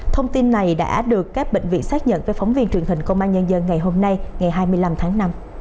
thông tin này đã được các bệnh viện xác nhận với phóng viên truyền hình công an nhân dân ngày hôm nay ngày hai mươi năm tháng năm